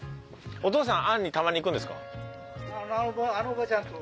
お父さんＡＮＥにたまに行くんですか？